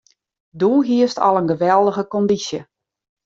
Doe hiest al in geweldige kondysje.